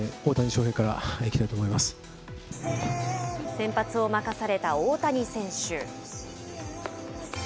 先発を任された大谷選手。